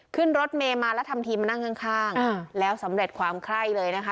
ขึ้นรถเมย์มาแล้วทำทีมานั่งข้างแล้วสำเร็จความไคร้เลยนะคะ